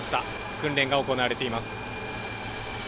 訓練が行われています。